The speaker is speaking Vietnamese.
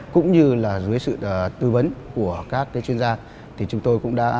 cũng như dưới sự tư vấn của các chuyên gia